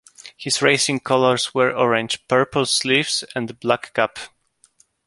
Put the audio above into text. His racing colours were orange, purple sleeves, and black cap.